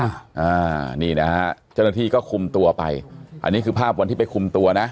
อ่านี่นะฮะเจ้าหน้าที่ก็คุมตัวไปอันนี้คือภาพวันที่ไปคุมตัวนะ